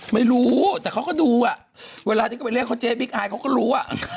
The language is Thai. ไม่รู้แต่เขาก็ดูมีเรื่องน่าจะหรอกนะโจ๊กบิคไอเขาก็รู้